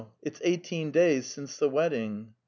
. It's eighteen days since the wedding."